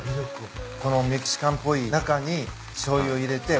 このメキシカンっぽい中にしょうゆを入れて和を入れてる。